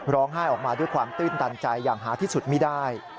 ร้องไห้ออกมาด้วยความตื้นตันใจอย่างหาที่สุดไม่ได้